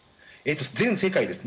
全世界です。